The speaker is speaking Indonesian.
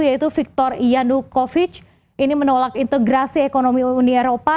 yaitu viktor yanukovych ini menolak integrasi ekonomi uni eropa